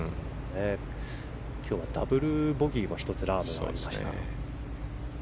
今日はダブルボギーも１つ、ラームはありました。